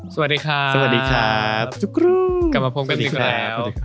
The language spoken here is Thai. สวัสดีครับสวัสดีครับทุกครูกลับมาพบกันอีกแล้ว